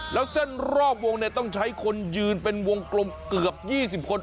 แล้วเส้นรอบวงเนี่ยต้องใช้คนยืนเป็นวงกลมเกือบ๒๐คน